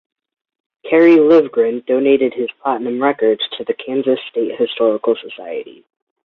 Kerry Livgren donated his platinum record to the Kansas State Historical Society.